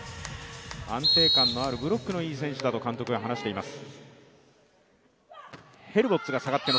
安定感のあるブロックのいい選手だと監督が話しています。